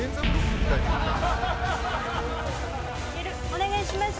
お願いします」